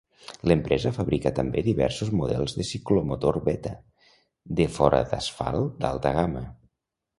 L'empresa fabrica també diversos models de ciclomotor Beta de fora d'asfalt d'alta gamma.